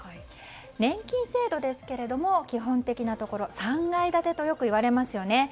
年金制度ですが基本的なところ３階建てとよくいわれますよね。